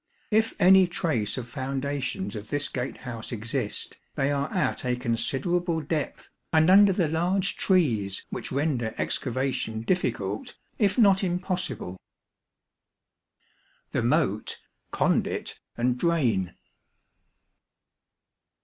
If any trace of foundations of this gate house exist, they are at a considerable depth and under the large trees which render excavation difficult, if not impossible. The Moat, Conduit and Drain.